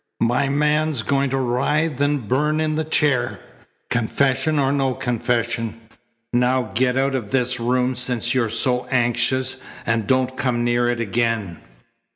My man's going to writhe and burn in the chair, confession or no confession. Now get out of this room since you're so anxious, and don't come near it again."